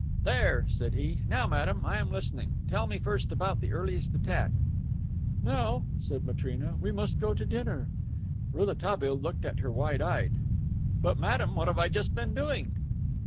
"There," said he. "Now, madame, I am listening. Tell me first about the earliest attack." "Now," said Matrena, "we must go to dinner." Rouletabille looked at her wide eyed. "But, madame, what have I just been doing?"